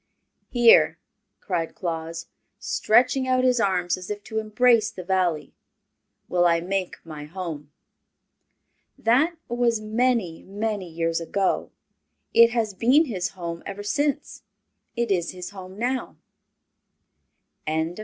"Here," cried Claus, stretching out his arms as if to embrace the Valley, "will I make my home!" That was many, many years ago. It has been his home ever since. It is his home now. MANHOOD 1.